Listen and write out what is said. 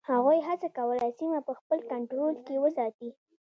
هغوی هڅه کوله سیمه په خپل کنټرول کې وساتي.